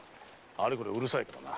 あれこれうるさいからな。